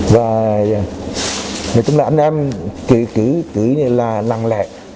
và nói chung là anh em cứ là nặng lẹ